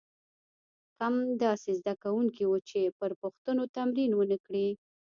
کم داسې زده کوونکي وو چې پر پوښتنو تمرین ونه کړي.